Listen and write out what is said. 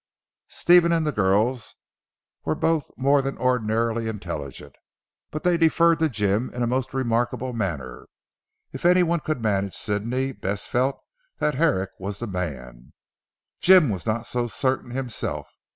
Stephen and the girls, were both more than ordinarily intelligent, but they deferred to Jim in a most remarkable manner. If any one could manage Sidney, Bess felt that Herrick was the man. Jim was not so certain himself.